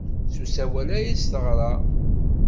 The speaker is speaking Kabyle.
S usawal ay as-teɣra.